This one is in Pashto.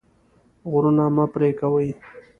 غرونه مه پرې کوئ.